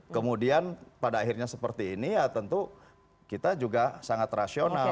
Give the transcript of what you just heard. kemudian pada akhirnya seperti ini ya tentu kita juga sangat rasional